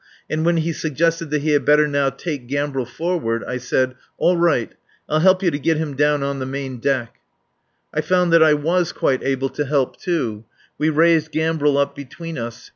And when he suggested that he had better now "take Gambril forward," I said: "All right. I'll help you to get him down on the main deck." I found that I was quite able to help, too. We raised Gambril up between us.